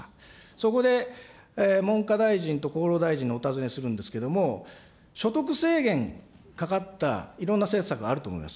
そこで、文科大臣と厚労大臣にお尋ねするんですけれども、所得制限かかったいろんな政策があると思います。